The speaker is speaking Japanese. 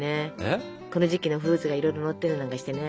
この時期のフルーツがいろいろのったりなんかしてね。